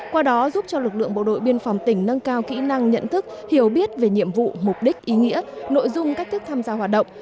qua đó giúp cho lực lượng bộ đội biên phòng tỉnh nâng cao kỹ năng nhận thức hiểu biết về nhiệm vụ mục đích ý nghĩa nội dung cách thức tham gia hoạt động